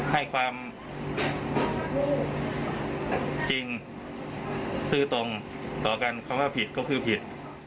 ให้ความจริงซื่อตรงต่อกันคำว่าผิดก็คือผิด